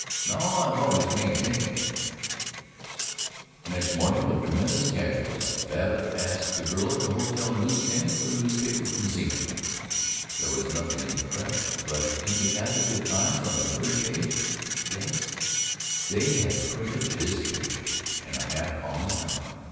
Now I've always maintained " Next morning, with tremendous casualness, Babbitt asked the girl at the hotel news stand for the newspapers from Zenith. There was nothing in the Press, but in the Advocate Times, on the third page He gasped. They had printed his picture and a half column account.